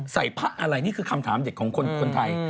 พระอะไรนี่คือคำถามเด็ดของคนไทย